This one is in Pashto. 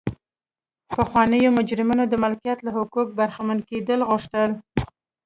پخوانیو مجرمینو د مالکیت له حقونو برخمن کېدل غوښتل.